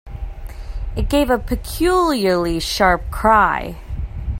It gave a peculiarly sharp cry.